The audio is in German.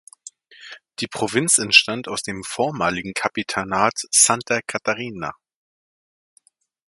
Die Provinz entstand aus dem vormaligen Kapitanat Santa Catarina.